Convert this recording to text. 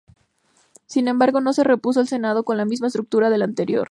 Sin embargo, no se repuso el Senado con la misma estructura del anterior.